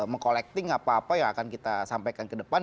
meng collecting apa apa yang akan kita sampaikan ke depan